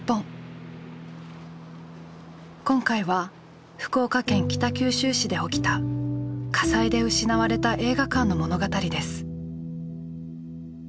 今回は福岡県北九州市で起きた火災で失われた映画館の物語です。